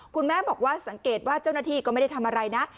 คุณแม่บอกว่าสังเกตว่าเจ้าหน้าที่ก็ไม่ได้ทำอะไรนะ